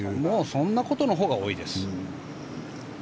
そんなことのほうが多いです。